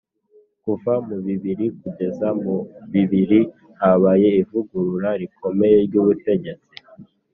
Kuva mu bibiri kugeza mu bibiri, habaye ivugurura rikomeye ry'ubutegetsi